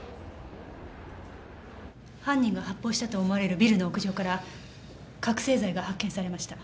犯人が発砲したと思われるビルの屋上から覚醒剤が発見されました。